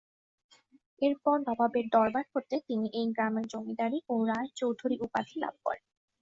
এরপর নবাবের দরবার হতে তিনি এই গ্রামের জমিদারী ও রায়চৌধুরী উপাধি লাভ করেন।